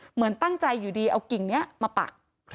เหมือนตั้งใจอยู่ดีเอากิ่งนี้มาปัก